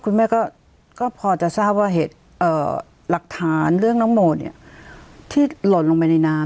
คุณแม่ก็พอจะทราบว่าเหตุหลักฐานเรื่องน้องโมเนี่ยที่หล่นลงไปในน้ำ